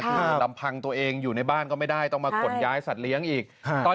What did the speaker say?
คือลำพังตัวเองอยู่ในบ้านก็ไม่ได้ต้องมาขนย้ายสัตว์เลี้ยงอีก